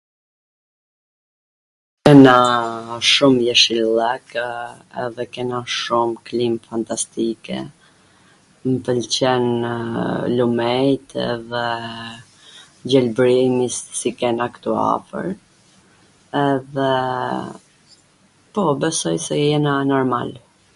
Kena shum jeshillwk edhe kena shum klim fantastike, mw pwlqen lumenjt edhe gjelbwrimi si kena ktu afwr, edhe, po, besoj se jena normal.